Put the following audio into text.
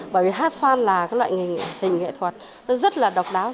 bởi vì hát xoan là loại hình nghệ thuật rất là độc đáo